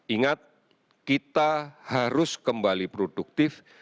ingat kita harus kembali produktif